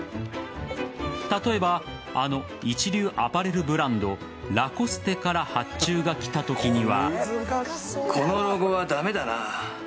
例えばあの一流アパレルブランドＬＡＣＯＳＴＥから発注が来たときには。